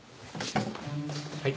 はい。